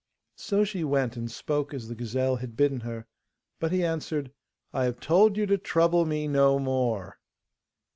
So she went, and spoke as the gazelle had bidden her; but he answered, 'I have told you to trouble me no more.